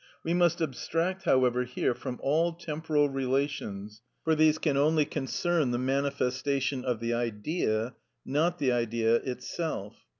(40) We must abstract however here from all temporal relations, for these can only concern the manifestation of the Idea, not the Idea itself.